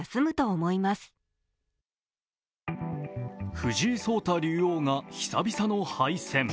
藤井聡太竜王が久々の敗戦。